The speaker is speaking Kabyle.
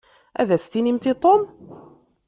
Ad as-tinimt i Tom?